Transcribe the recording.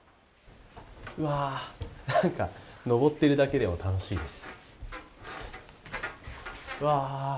わ、なんか上ってるだけでも楽しいです。